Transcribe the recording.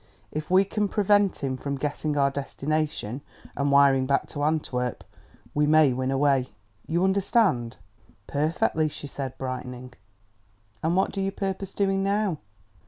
If we can prevent him from guessing our destination and wiring back to Antwerp, we may win away. You understand?" "Perfectly," she said, brightening. "And what do you purpose doing now?"